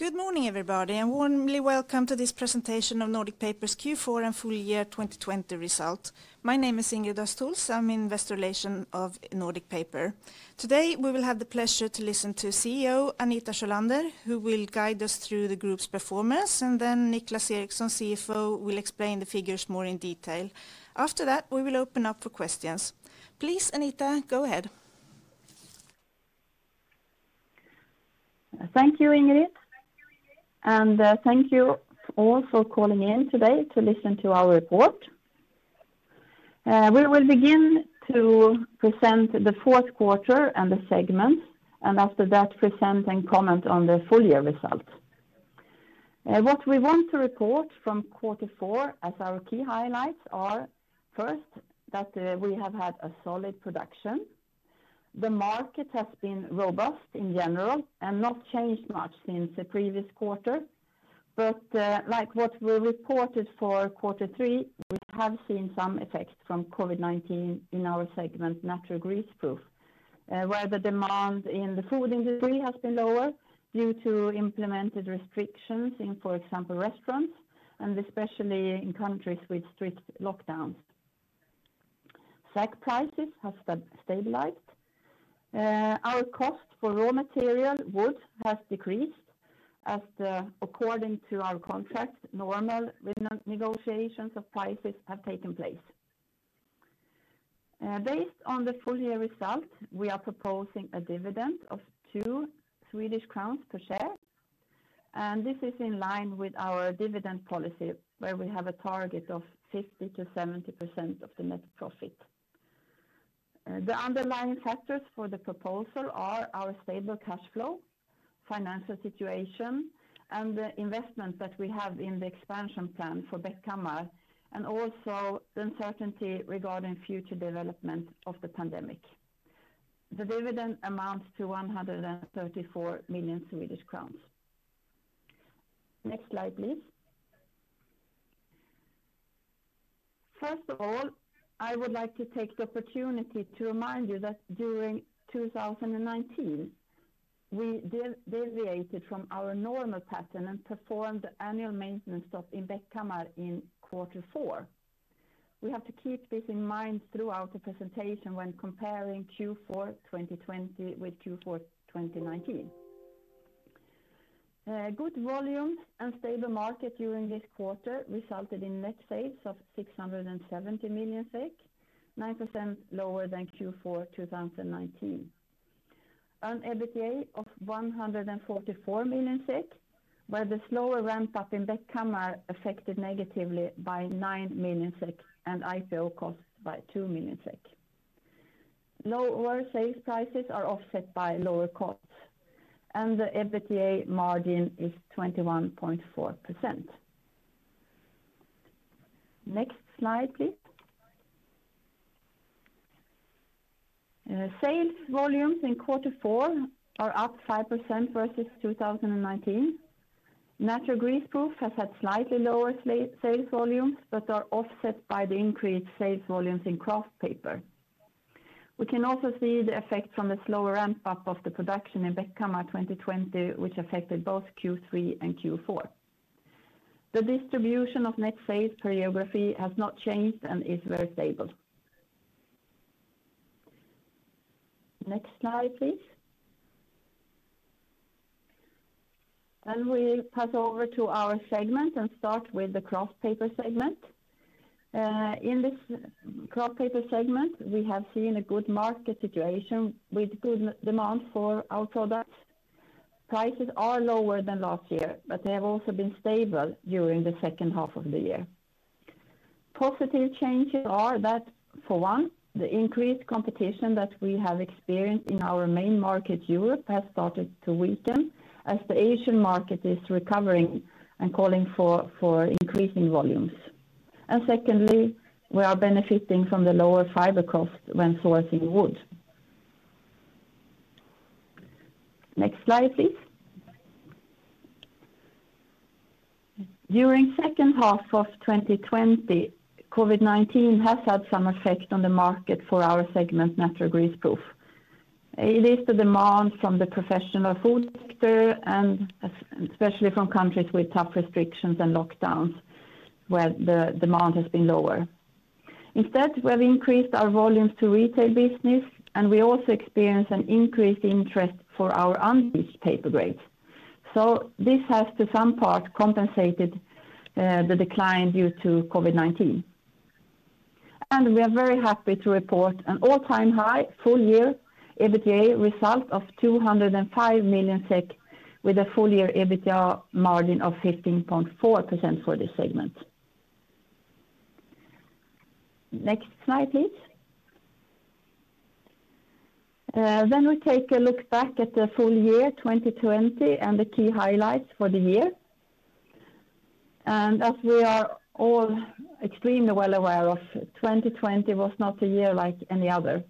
Good morning, everybody, and warmly welcome to this presentation of Nordic Paper's Q4 and full year 2020 result. My name is Ingrid Östhols. I'm Investor Relations of Nordic Paper. Today, we will have the pleasure to listen to CEO, Anita Sjölander, who will guide us through the group's performance, and then Niclas Eriksson, CFO, will explain the figures more in detail. After that, we will open up for questions. Please, Anita, go ahead. Thank you, Ingrid. Thank you all for calling in today to listen to our report. We will begin to present the fourth quarter and the segments, and after that, present and comment on the full year results. What we want to report from quarter four as our key highlights are, first, that we have had a solid production. The market has been robust in general and not changed much since the previous quarter. Like what we reported for quarter three, we have seen some effects from COVID-19 in our segment, Natural Greaseproof, where the demand in the food industry has been lower due to implemented restrictions in, for example, restaurants and especially in countries with strict lockdowns. SEK prices have stabilized. Our cost for raw material, wood, has decreased as, according to our contract, normal negotiations of prices have taken place. Based on the full year results, we are proposing a dividend of 2 Swedish crowns per share. This is in line with our dividend policy, where we have a target of 50%-70% of the net profit. The underlying factors for the proposal are our stable cash flow, financial situation, the investment that we have in the expansion plan for Bäckhammar, and also the uncertainty regarding future development of the pandemic. The dividend amounts to 134 million Swedish crowns. Next slide, please. First of all, I would like to take the opportunity to remind you that during 2019, we deviated from our normal pattern and performed the annual maintenance stop in Bäckhammar in quarter four. We have to keep this in mind throughout the presentation when comparing Q4 2020 with Q4 2019. Good volumes and stable market during this quarter resulted in net sales of 670 million, 9% lower than Q4 2019. Earned EBITDA of 144 million SEK, where the slower ramp-up in Bäckhammar affected negatively by 9 million SEK and IPO cost by 2 million SEK. Lower sales prices are offset by lower costs, and the EBITDA margin is 21.4%. Next slide, please. Sales volumes in quarter four are up 5% versus 2019. Natural Greaseproof has had slightly lower sales volumes, but are offset by the increased sales volumes in Kraft Paper. We can also see the effect from the slower ramp-up of the production in Bäckhammar 2020, which affected both Q3 and Q4. The distribution of net sales per geography has not changed and is very stable. Next slide, please. We pass over to our segment and start with the Kraft Paper segment. In this Kraft Paper segment, we have seen a good market situation with good demand for our products. Prices are lower than last year, but they have also been stable during the second half of the year. Positive changes are that, for one, the increased competition that we have experienced in our main market, Europe, has started to weaken as the Asian market is recovering and calling for increasing volumes. Secondly, we are benefiting from the lower fiber cost when sourcing wood. Next slide, please. During second half of 2020, COVID-19 has had some effect on the market for our segment, Natural Greaseproof. It is the demand from the professional food sector and especially from countries with tough restrictions and lockdowns where the demand has been lower. Instead, we have increased our volumes to retail business, and we also experienced an increased interest for our unbleached paper grades. This has, to some part, compensated the decline due to COVID-19. We are very happy to report an all-time high full year EBITDA result of 205 million SEK with a full year EBITDA margin of 15.4% for this segment. Next slide, please. We take a look back at the full year 2020 and the key highlights for the year. As we are all extremely well aware of, 2020 was not a year like any other.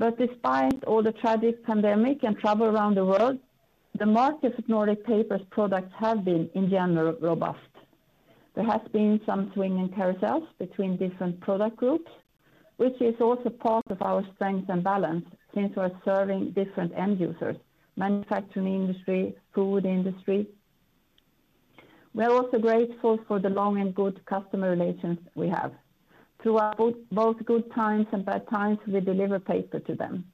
Despite all the tragic pandemic and trouble around the world, the market of Nordic Paper's products have been, in general, robust. There has been some swing in quarters between different product groups, which is also part of our strength and balance since we're serving different end users, manufacturing industry, food industry. We're also grateful for the long and good customer relations we have. Throughout both good times and bad times, we deliver paper to them.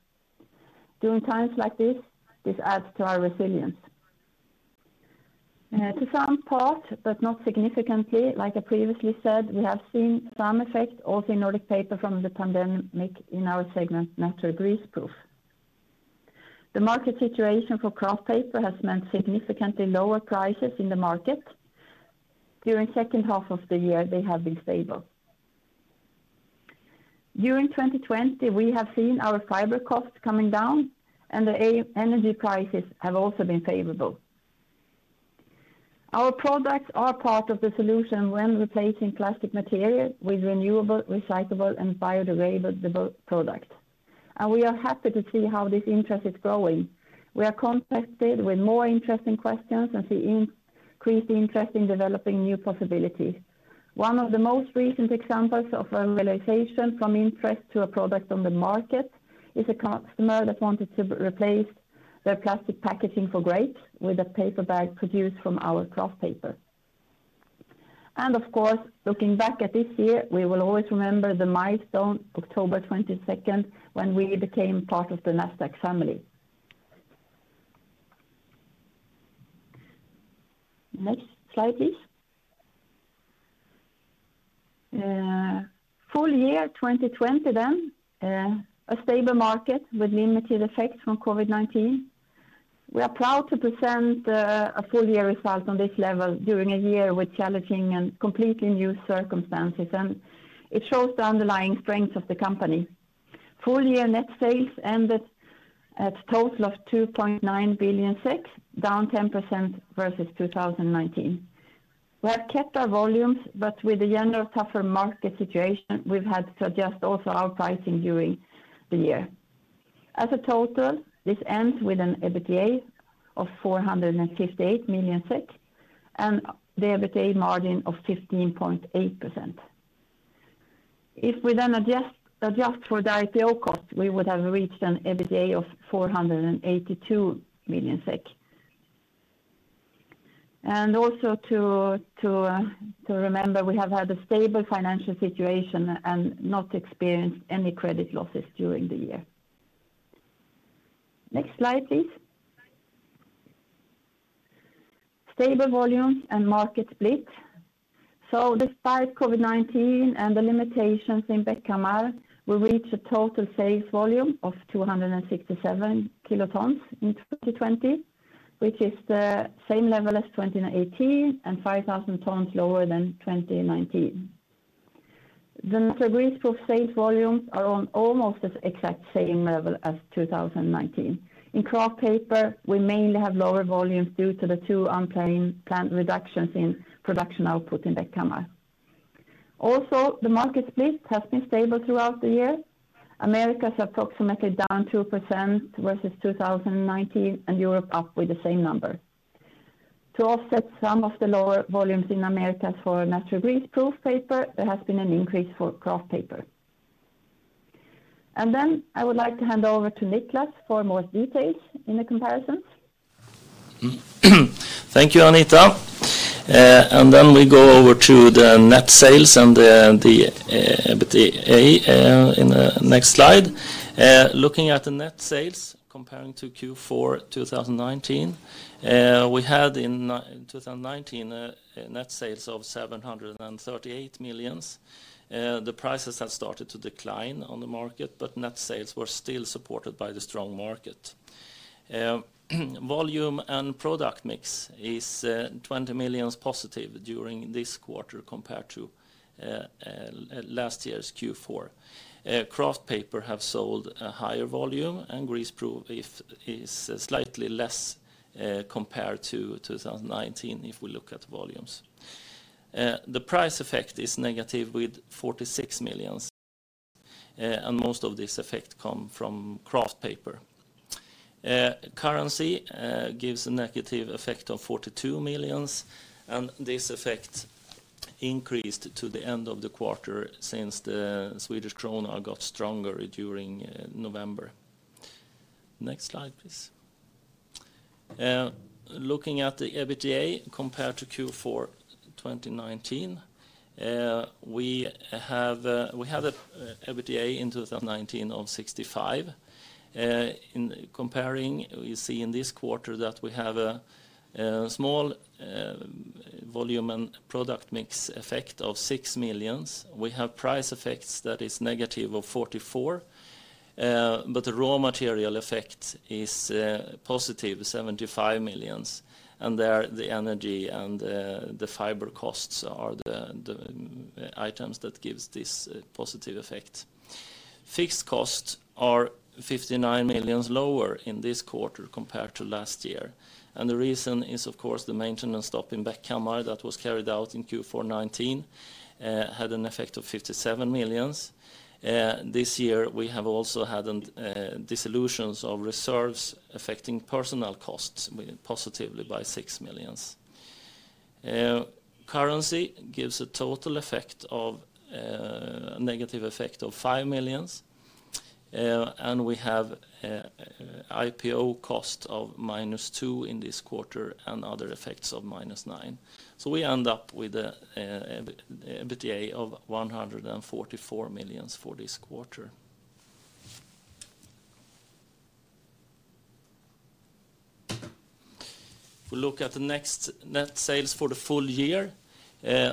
During times like this adds to our resilience. To some part, but not significantly, like I previously said, we have seen some effect also in Nordic Paper from the pandemic in our segment Natural Greaseproof. The market situation for Kraft Paper has meant significantly lower prices in the market. During second half of the year, they have been stable. During 2020, we have seen our fiber costs coming down and the energy prices have also been favorable. Our products are part of the solution when replacing plastic material with renewable, recyclable, and biodegradable products. We are happy to see how this interest is growing. We are contacted with more interesting questions and see increased interest in developing new possibilities. One of the most recent examples of realization from interest to a product on the market is a customer that wanted to replace their plastic packaging for grapes with a paper bag produced from our Kraft Paper. Of course, looking back at this year, we will always remember the milestone, October 22nd, when we became part of the Nasdaq family. Next slide, please. Full year 2020. A stable market with limited effect from COVID-19. We are proud to present a full year result on this level during a year with challenging and completely new circumstances, and it shows the underlying strength of the company. Full year net sales ended at a total of 2.9 billion, down 10% versus 2019. We have kept our volumes, but with the general tougher market situation, we've had to adjust also our pricing during the year. As a total, this ends with an EBITDA of 458 million SEK and the EBITDA margin of 15.8%. If we then adjust for IPO cost, we would have reached an EBITDA of 482 million SEK. Also to remember, we have had a stable financial situation and not experienced any credit losses during the year. Next slide, please. Stable volumes and market split. Despite COVID-19 and the limitations in Bäckhammar, we reached a total sales volume of 267 kilotons in 2020, which is the same level as 2018 and 5,000 tons lower than 2019. The Natural Greaseproof sales volumes are on almost the exact same level as 2019. In Kraft Paper, we mainly have lower volumes due to the two unplanned reductions in production output in Bäckhammar. Also, the market split has been stable throughout the year. Americas, approximately down 2% versus 2019. Europe up with the same number. To offset some of the lower volumes in Americas for Natural Greaseproof paper, there has been an increase for Kraft Paper. I would like to hand over to Niclas for more details in the comparisons. Thank you, Anita. We go over to the net sales and the EBITDA in the next slide. Looking at the net sales comparing to Q4 2019, we had in 2019 net sales of 738 million. The prices had started to decline on the market, net sales were still supported by the strong market. Volume and product mix is +20 million during this quarter compared to last year's Q4. Kraft Paper have sold a higher volume, Greaseproof is slightly less compared to 2019 if we look at volumes. The price effect is -46 million, most of this effect come from Kraft Paper. Currency gives a negative effect of 42 million, this effect increased to the end of the quarter since the Swedish krona got stronger during November. Next slide, please. Looking at the EBITDA compared to Q4 2019, we had EBITDA in 2019 of 65. In comparing, we see in this quarter that we have a small volume and product mix effect of 6 million. We have price effects that is -44, the raw material effect is +75 million, and there the energy and the fiber costs are the items that gives this positive effect. Fixed costs are 59 million lower in this quarter compared to last year. The reason is, of course, the maintenance stop in Bäckhammar that was carried out in Q4 2019, had an effect of 57 million. This year, we have also had dissolutions of reserves affecting personnel costs +6 million. Currency gives a total negative effect of 5 million, we have IPO cost of -2 in this quarter and other effects of -9. We end up with an EBITDA of 144 million for this quarter. If we look at the net sales for the full year,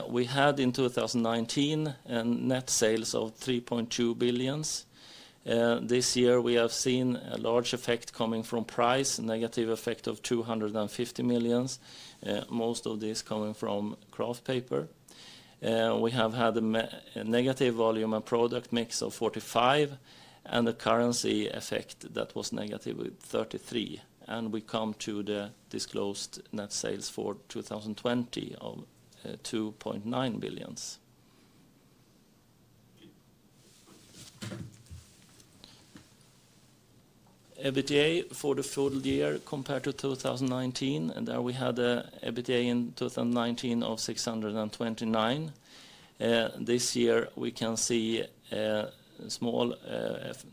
we had in 2019 net sales of 3.2 billion. This year, we have seen a large effect coming from price, a negative effect of 250 million, most of this coming from Kraft Paper. We have had a negative volume and product mix of 45, and a currency effect that was -33. We come to the disclosed net sales for 2020 of 2.9 billion. EBITDA for the full year compared to 2019, there we had EBITDA in 2019 of 629. This year, we can see a small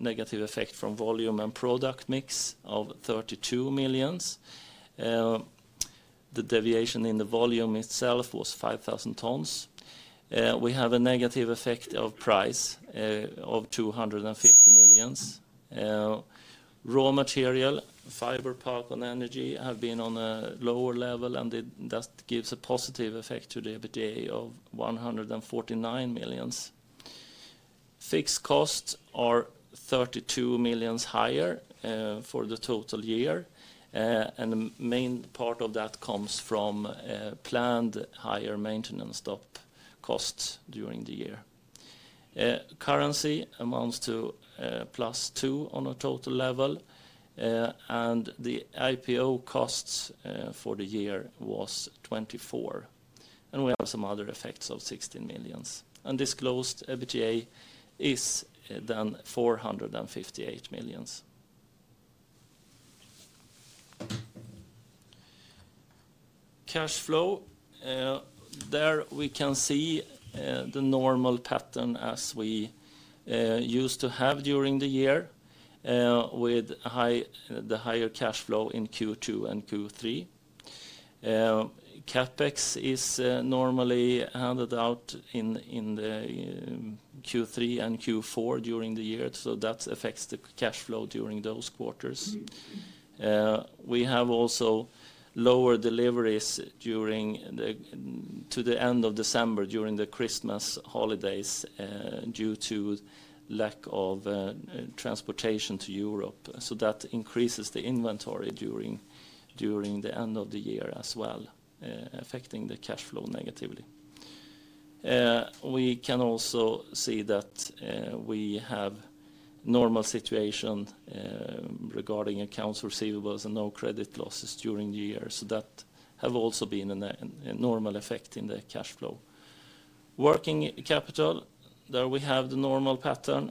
negative effect from volume and product mix of 32 million. The deviation in the volume itself was 5,000 tons. We have a negative effect of price of 250 million. Raw material, fiber, pulp, and energy have been on a lower level, that gives a positive effect to the EBITDA of 149 million. Fixed costs are 32 million higher for the total year. The main part of that comes from planned higher maintenance stop costs during the year. Currency amounts to +2 million on a total level, the IPO costs for the year was 24 million. We have some other effects of 16 million. Undisclosed EBITDA is then SEK 458 million. Cash flow, there we can see the normal pattern as we used to have during the year, with the higher cash flow in Q2 and Q3. CapEx is normally handed out in the Q3 and Q4 during the year, that affects the cash flow during those quarters. We have also lower deliveries to the end of December during the Christmas holidays due to lack of transportation to Europe. That increases the inventory during the end of the year as well, affecting the cash flow negatively. We can also see that we have normal situation regarding accounts receivables and no credit losses during the year. That have also been a normal effect in the cash flow. Working capital, there we have the normal pattern.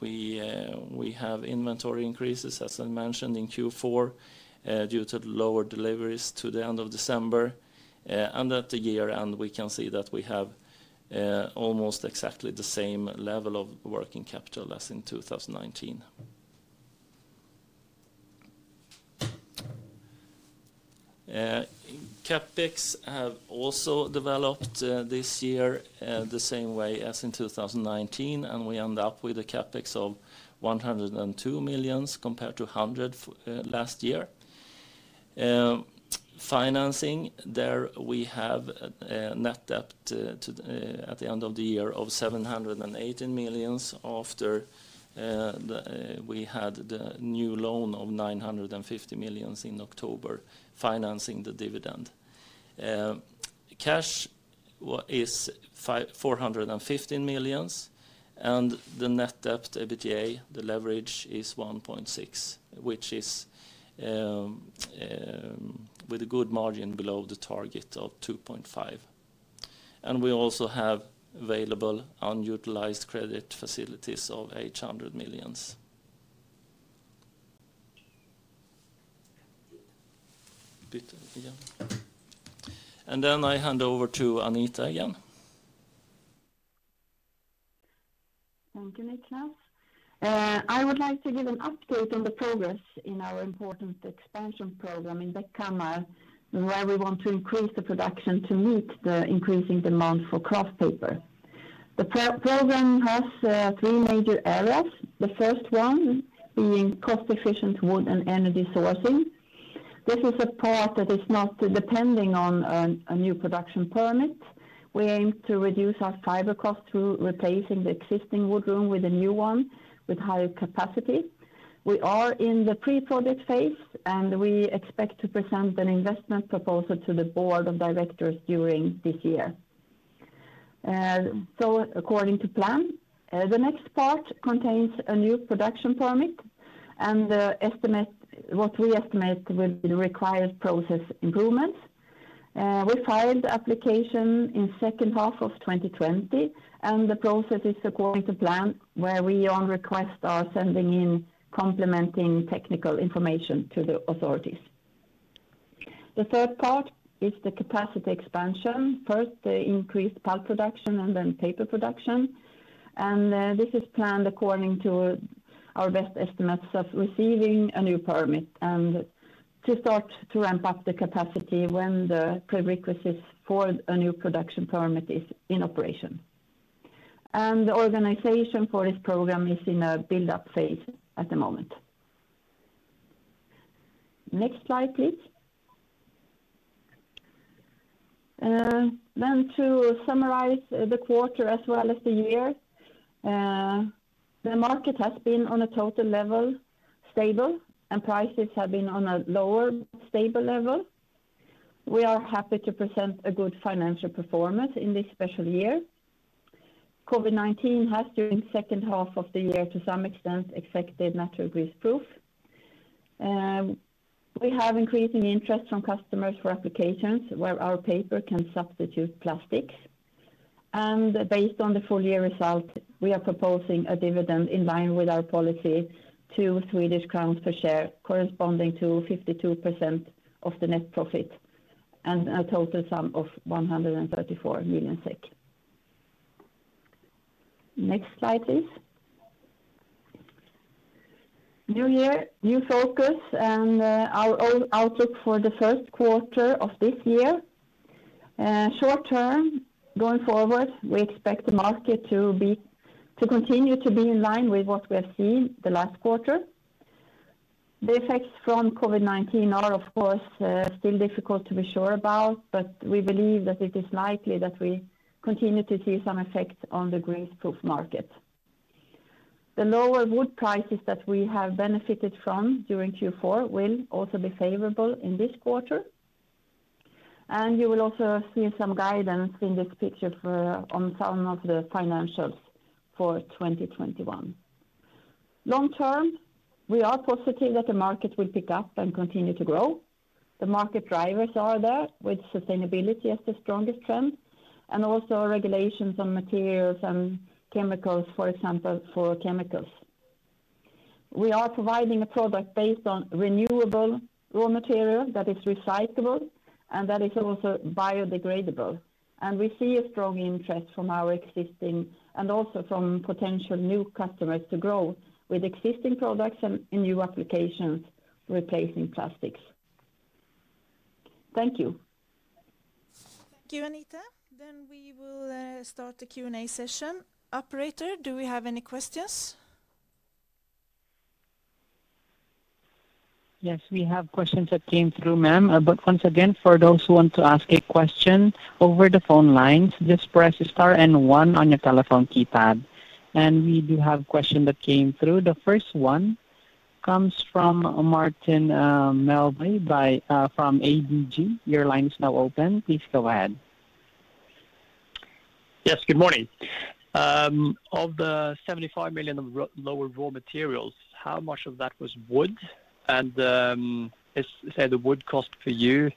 We have inventory increases, as I mentioned, in Q4 due to lower deliveries to the end of December. At the year end, we can see that we have almost exactly the same level of working capital as in 2019. CapEx have also developed this year the same way as in 2019, and we end up with a CapEx of 102 million compared to 100 million last year. Financing, there we have a net debt at the end of the year of 718 million after we had the new loan of 950 million in October financing the dividend. Cash is 415 million, the net debt to EBITDA, the leverage, is 1.6, which is with a good margin below the target of 2.5. We also have available unutilized credit facilities of SEK 800 million. I hand over to Anita again. Thank you, Niclas. I would like to give an update on the progress in our important expansion program in Bäckhammar, where we want to increase the production to meet the increasing demand for Kraft Paper. The program has three major areas, the first one being cost-efficient wood and energy sourcing. This is a part that is not depending on a new production permit. We aim to reduce our fiber cost through replacing the existing wood room with a new one with higher capacity. We are in the pre-project phase. We expect to present an investment proposal to the board of directors during this year. According to plan, the next part contains a new production permit and what we estimate will be the required process improvements. We filed the application in second half of 2020, and the process is according to plan, where we on request are sending in complementing technical information to the authorities. The third part is the capacity expansion. First, the increased pulp production and then paper production. This is planned according to our best estimates of receiving a new permit and to start to ramp up the capacity when the prerequisites for a new production permit is in operation. The organization for this program is in a build-up phase at the moment. Next slide, please. To summarize the quarter as well as the year. The market has been on a total level, stable, and prices have been on a lower stable level. We are happy to present a good financial performance in this special year. COVID-19 has, during the second half of the year, to some extent, affected Natural Greaseproof. We have increasing interest from customers for applications where our paper can substitute plastics. Based on the full year result, we are proposing a dividend in line with our policy, SEK 2 per share, corresponding to 52% of the net profit and a total sum of 134 million SEK. Next slide, please. New year, new focus, and our outlook for the first quarter of this year. Short-term, going forward, we expect the market to continue to be in line with what we have seen the last quarter. The effects from COVID-19 are, of course, still difficult to be sure about, but we believe that it is likely that we continue to see some effect on the Greaseproof market. The lower wood prices that we have benefited from during Q4 will also be favorable in this quarter. You will also see some guidance in this picture on some of the financials for 2021. Long-term, we are positive that the market will pick up and continue to grow. The market drivers are there, with sustainability as the strongest trend, and also regulations on materials and chemicals, for example, chemicals. We are providing a product based on renewable raw material that is recyclable and that is also biodegradable. We see a strong interest from our existing and also from potential new customers to grow with existing products and in new applications replacing plastics. Thank you. Thank you, Anita. We will start the Q&A session. Operator, do we have any questions? Yes, we have questions that came through, ma'am. Once again, for those who want to ask a question over the phone lines, just press star and one on your telephone keypad. We do have a question that came through. The first one comes from Martin Melbye from ABG. Your line is now open. Please go ahead. Yes, good morning. Of the 75 million of lower raw materials, how much of that was wood? Is, say, the wood cost for you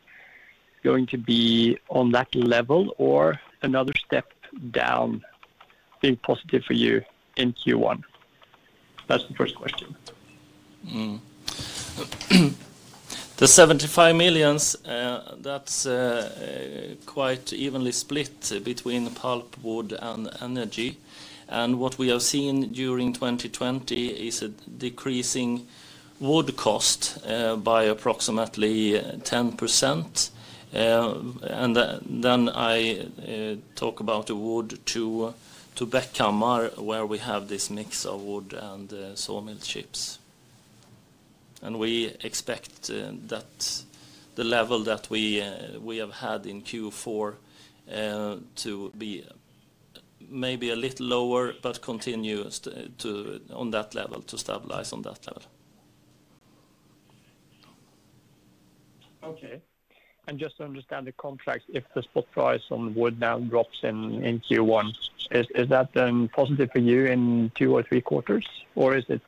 going to be on that level or another step down, being positive for you in Q1? That's the first question. The 75 million, that's quite evenly split between pulp, wood, and energy. What we have seen during 2020 is a decreasing wood cost by approximately 10%. I talk about the wood to Bäckhammar, where we have this mix of wood and sawmill chips. We expect that the level that we have had in Q4 to be maybe a little lower, but continue on that level, to stabilize on that level. Okay. Just to understand the contract, if the spot price on wood now drops in Q1, is that then positive for you in two or three quarters, or is it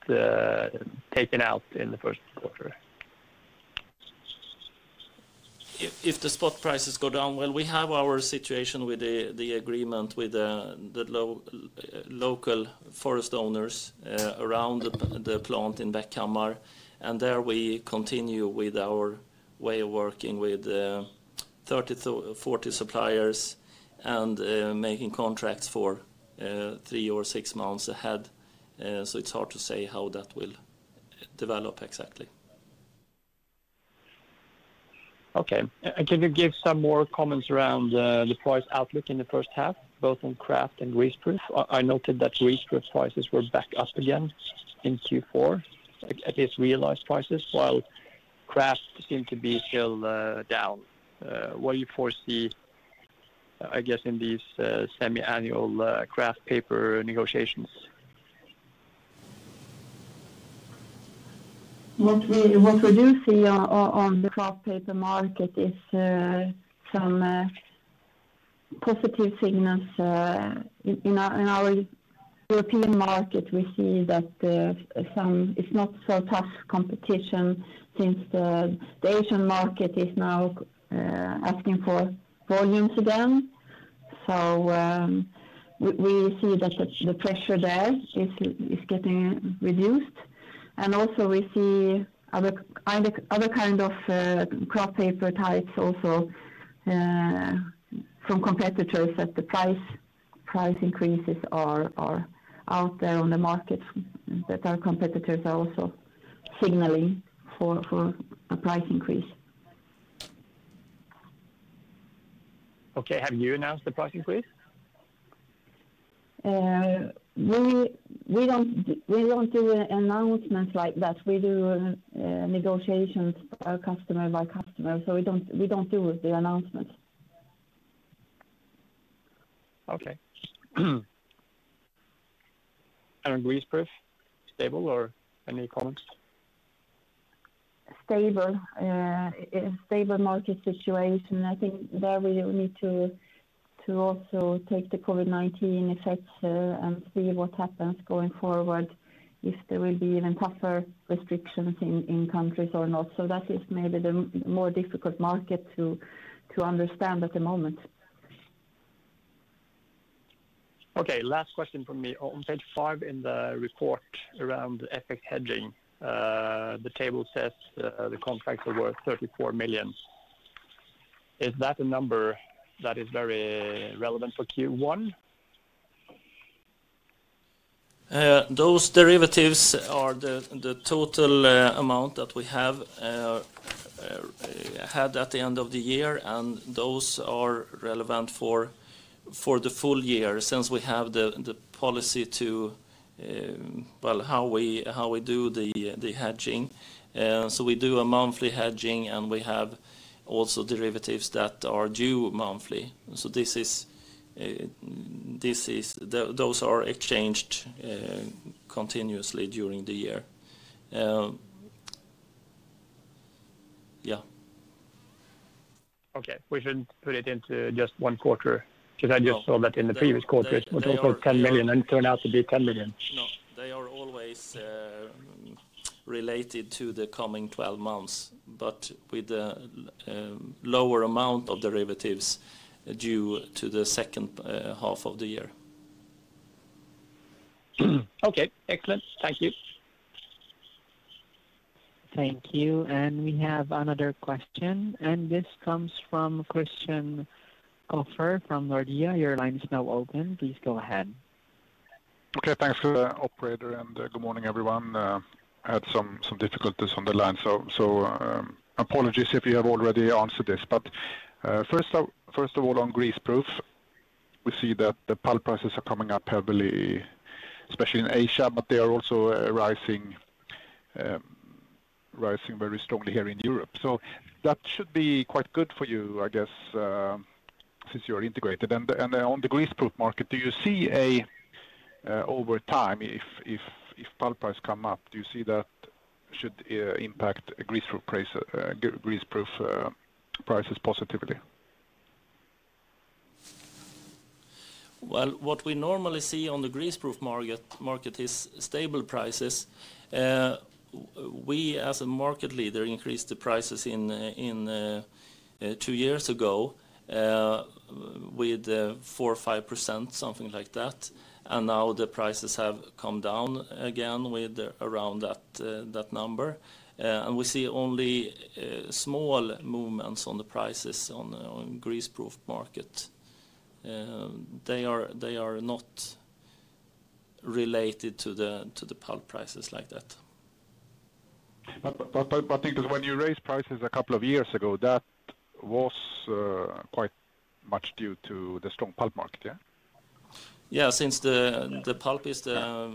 taken out in the first quarter? If the spot prices go down, well, we have our situation with the agreement with the local forest owners around the plant in Bäckhammar, and there we continue with our way of working with 30 to 40 suppliers and making contracts for three or six months ahead. It's hard to say how that will develop exactly. Okay. Can you give some more comments around the price outlook in the first half, both on Kraft and Greaseproof? I noted that Greaseproof prices were back up again in Q4, at least realized prices, while Kraft seemed to be still down. What you foresee, I guess, in these semiannual Kraft Paper negotiations? What we do see on the Kraft Paper market is some positive signals. In our European market, we see that it's not so tough competition since the Asian market is now asking for volumes again. We see that the pressure there is getting reduced. Also we see other kind of Kraft Paper types also from competitors that the price increases are out there on the market, that our competitors are also signaling for a price increase. Okay. Have you announced the price increase? We won't do an announcement like that. We do negotiations customer by customer. We don't do the announcements. Okay. Greaseproof, stable or any comments? Stable market situation. I think there we need to also take the COVID-19 effects and see what happens going forward, if there will be even tougher restrictions in countries or not. That is maybe the more difficult market to understand at the moment. Okay. Last question from me. On page five in the report around FX hedging, the table says the contracts are worth 34 million. Is that a number that is very relevant for Q1? Those derivatives are the total amount that we have had at the end of the year, and those are relevant for the full year since we have the policy to how we do the hedging. We do a monthly hedging, and we have also derivatives that are due monthly. Those are exchanged continuously during the year. Yeah. Okay. We shouldn't put it into just one quarter? I just saw that in the previous quarter it was over 10 million and turned out to be 10 million. No, they are always related to the coming 12 months, but with a lower amount of derivatives due to the second half of the year. Okay. Excellent. Thank you. Thank you. We have another question, and this comes from Christian Kopfer from Nordea. Your line is now open. Please go ahead. Okay. Thanks operator. Good morning, everyone. Had some difficulties on the line. Apologies if you have already answered this. First of all, on Greaseproof, we see that the pulp prices are coming up heavily, especially in Asia, but they are also rising very strongly here in Europe. That should be quite good for you, I guess, since you're integrated. On the Greaseproof market, do you see over time if pulp price come up, do you see that should impact Greaseproof prices positively? Well, what we normally see on the Greaseproof market is stable prices. We, as a market leader, increased the prices two years ago with 4% or 5%, something like that. Now the prices have come down again with around that number. We see only small movements on the prices on Greaseproof market. They are not related to the pulp prices like that. I think because when you raised prices a couple of years ago, that was quite much due to the strong pulp market, yeah? Yeah. Since the pulp is the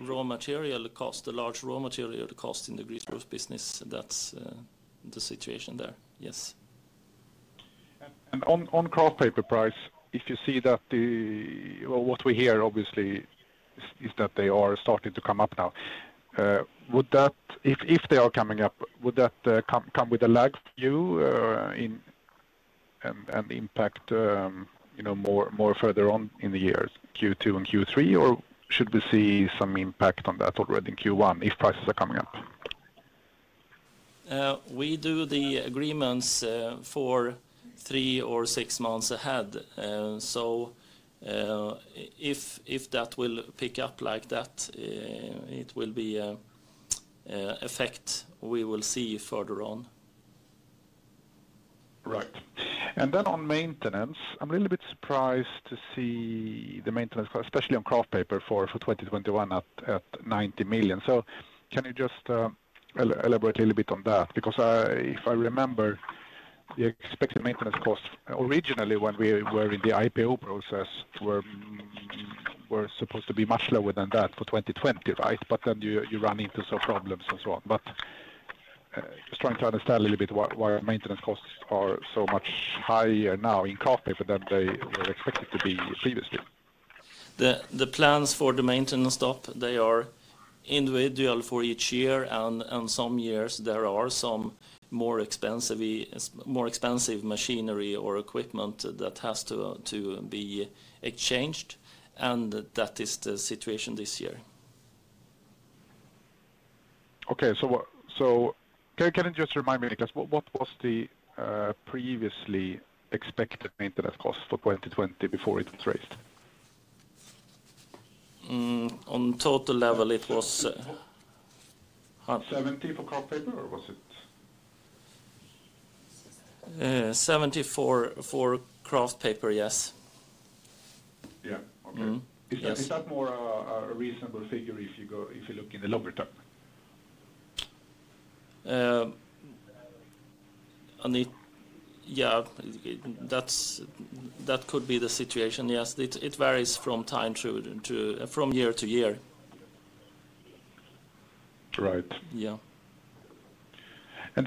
raw material cost, the large raw material cost in the Greaseproof business, that's the situation there. Yes. On Kraft Paper price, if you see that what we hear obviously, is that they are starting to come up now. If they are coming up, would that come with a lag for you, and impact more further on in the years Q2 and Q3, or should we see some impact on that already in Q1 if prices are coming up? We do the agreements for three or six months ahead. If that will pick up like that, it will be a effect we will see further on. Right. Then on maintenance, I'm a little bit surprised to see the maintenance cost, especially on Kraft Paper for 2021 at 90 million. Can you just elaborate a little bit on that? Because if I remember, the expected maintenance cost originally when we were in the IPO process, were supposed to be much lower than that for 2020, right? Then you run into some problems and so on. Just trying to understand a little bit why our maintenance costs are so much higher now in Kraft Paper than they were expected to be previously. The plans for the maintenance stop, they are individual for each year, and some years there are some more expensive machinery or equipment that has to be exchanged, and that is the situation this year. Okay. Can you just remind me, Niclas, what was the previously expected maintenance cost for 2020 before it was raised? On total level, 70 for Kraft Paper, or was it? 70 for Kraft Paper, yes. Yeah. Okay. Mm-hmm. Yes. Is that more a reasonable figure if you look in the longer term? Yeah. That could be the situation, yes. It varies from year to year. Right. Yeah. If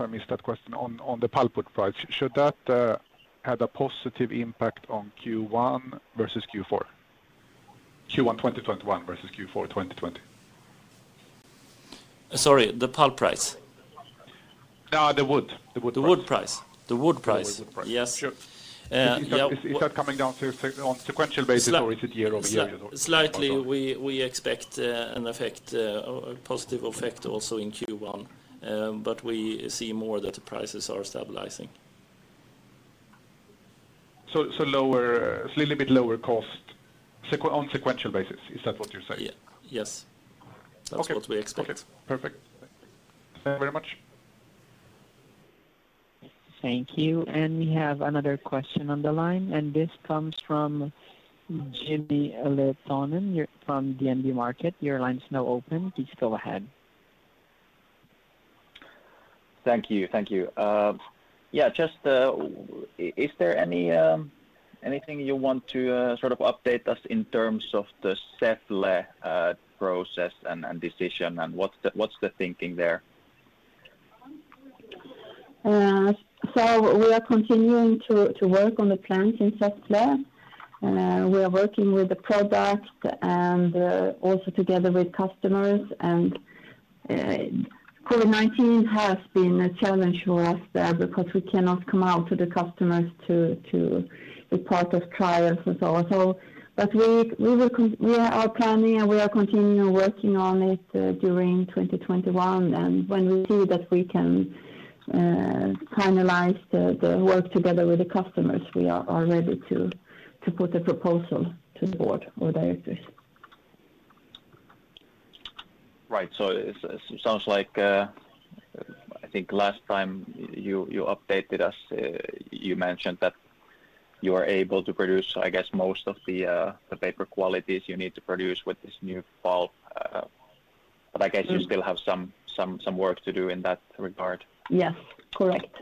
I missed that question, on the pulpwood price, should that have a positive impact on Q1 versus Q4, Q1 2021 versus Q4 2020? Sorry, the pulp price? No, the wood price. The wood price. The wood price. Yes. Sure. Is that coming down on sequential basis, or is it year-over-year? Slightly, we expect a positive effect also in Q1, but we see more that the prices are stabilizing. Slightly bit lower cost on sequential basis. Is that what you're saying? Yes. Okay. That's what we expect. Perfect. Thank you very much. Thank you. We have another question on the line, and this comes from Jimmy Aletonen from DNB Markets. Your line's now open, please go ahead. Thank you. Just, is there anything you want to update us in terms of the Säffle process and decision, and what's the thinking there? We are continuing to work on the plant in Säffle. We are working with the product, and also together with customers, COVID-19 has been a challenge for us there because we cannot come out to the customers to be part of trials and so on. We are planning, and we are continuing working on it during 2021. When we see that we can finalize the work together with the customers, we are ready to put a proposal to the board of directors. Right. It sounds like, I think last time you updated us, you mentioned that you are able to produce, I guess, most of the paper qualities you need to produce with this new pulp. I guess you still have some work to do in that regard. Yes. Correct.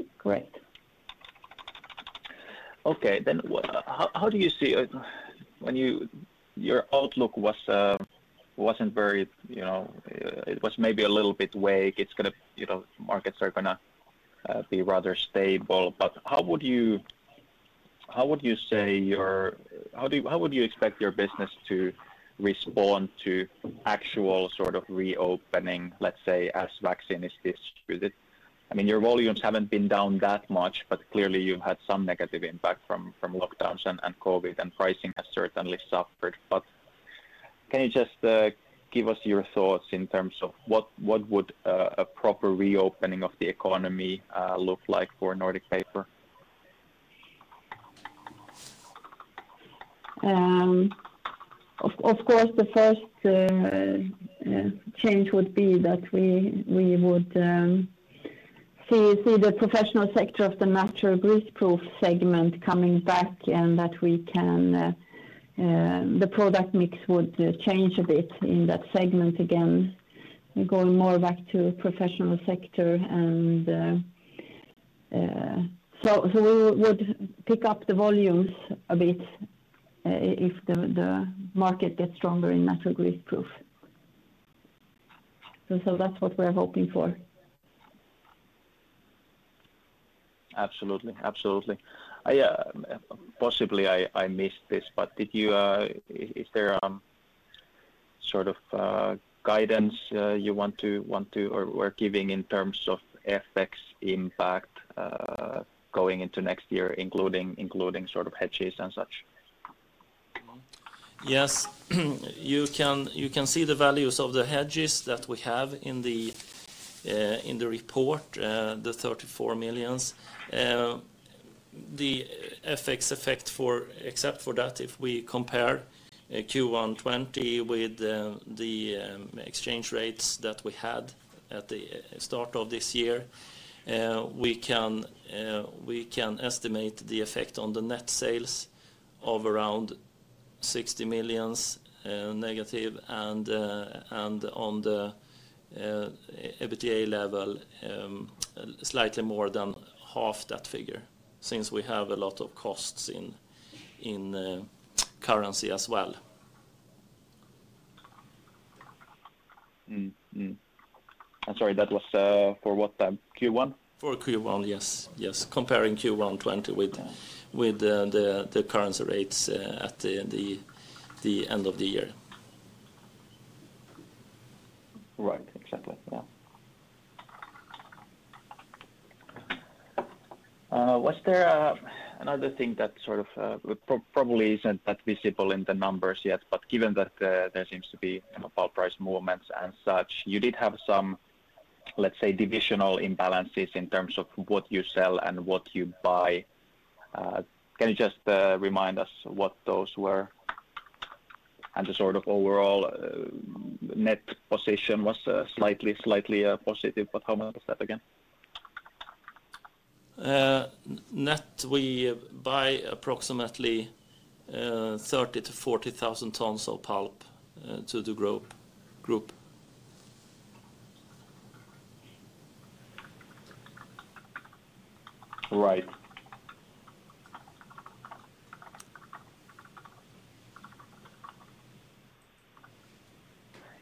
How do you see it? Your outlook was maybe a little bit vague. Markets are going to be rather stable. How would you expect your business to respond to actual sort of reopening, let's say, as vaccine is distributed? Your volumes haven't been down that much, but clearly you've had some negative impact from lockdowns and COVID-19, and pricing has certainly suffered. Can you just give us your thoughts in terms of what would a proper reopening of the economy look like for Nordic Paper? Of course, the first change would be that we would see the professional sector of the Natural Greaseproof segment coming back, and that the product mix would change a bit in that segment again, going more back to professional sector. We would pick up the volumes a bit, if the market gets stronger in Natural Greaseproof. That's what we're hoping for. Absolutely. Possibly, I missed this, but is there sort of guidance you want to, or were giving in terms of FX impact, going into next year, including hedges and such? Yes. You can see the values of the hedges that we have in the report, the 34 million. The FX effect except for that, if we compare Q1 2020 with the exchange rates that we had at the start of this year, we can estimate the effect on the net sales of around -SEK 60 million. On the EBITDA level, slightly more than half that figure since we have a lot of costs in currency as well. I'm sorry, that was for what time? Q1? For Q1, yes. Comparing Q1 2020 with the currency rates at the end of the year. Right. Exactly. Yeah. Was there another thing that sort of probably isn't that visible in the numbers yet, but given that there seems to be pulp price movements and such, you did have Let's say divisional imbalances in terms of what you sell and what you buy. Can you just remind us what those were? The overall net position was slightly positive, but how much was that again? Net, we buy approximately 30,000 to 40,000 tons of pulp to the group. Right.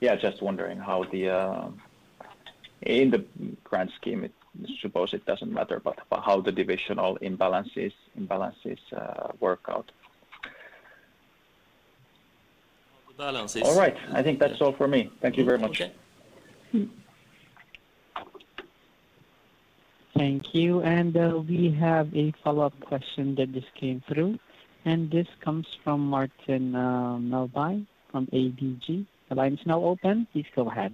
Yeah, just wondering how in the grand scheme, I suppose it doesn't matter, but how the divisional imbalances work out. Balances. All right. I think that's all for me. Thank you very much. Okay. Thank you. We have a follow-up question that just came through, and this comes from Martin Melbye from ABG. The line is now open. Please go ahead.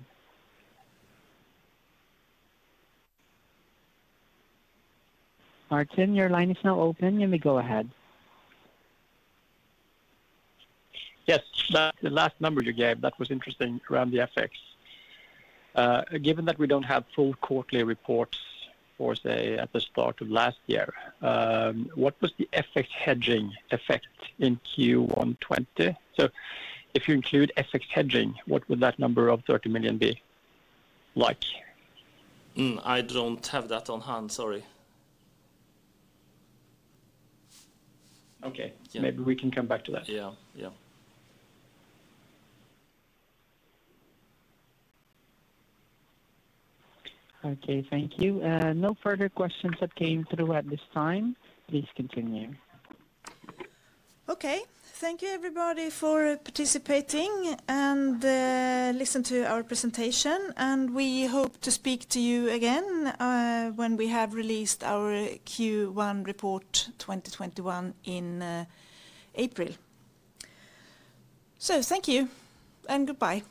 Martin, your line is now open. You may go ahead. Yes. The last number you gave that was interesting around the FX. Given that we don't have full quarterly reports for, say, at the start of last year, what was the FX hedging effect in Q1 2020? If you include FX hedging, what would that number of 30 million be like? I don't have that on hand. Sorry. Okay. Yeah. Maybe we can come back to that. Yeah. Okay. Thank you. No further questions that came through at this time. Please continue. Okay. Thank you everybody for participating and listen to our presentation, and we hope to speak to you again, when we have released our Q1 report 2021 in April. Thank you and goodbye